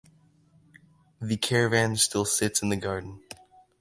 The caravan still sits in the garden.